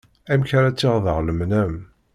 Amek ara tt-iɣḍer lemnam.